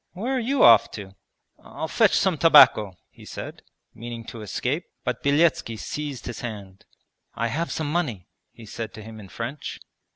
'Where are you off to?' 'I'll fetch some tobacco,' he said, meaning to escape, but Beletski seized his hand. 'I have some money,' he said to him in French.